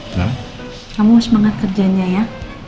kamu semangat kerjanya ya